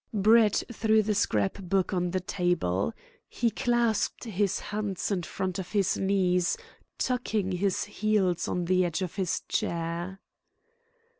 Brett threw the scrap book on to the table. He clasped his hands in front of his knees, tucking his heels on the edge of his chair.